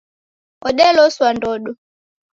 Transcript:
Odeloswa ndodo